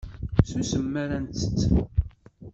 Susem mi ara nttett.